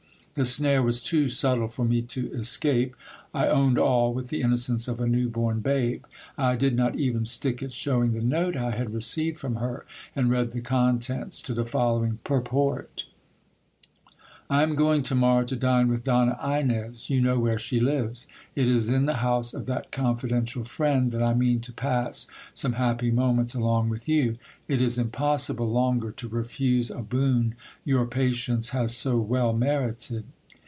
The snare was too subtle for me to escape ; I owned all with the innocence of a new born babe. I did not even stick at shewing the note I had received from her, and read the contents, to the following purport : "I am going to morrow to dine with Donna Inez. You know where she lives. It is in the house of that confidential friend that I mean to pass some happy moments along with you. It is impossible longer to refuse a boon your patience has so well merited."